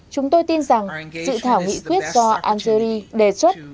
chúng tôi tin rằng dự thảo nghị quyết do algeria đề xuất